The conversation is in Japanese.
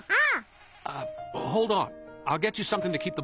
ああ。